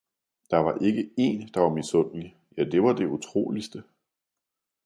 der var ikke én, der var misundelig, – ja det var det utroligste!